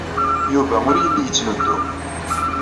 Yuba ur yelli yettnuddum.